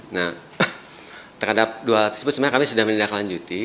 nah terhadap dua hal tersebut sebenarnya kami sudah menindaklanjuti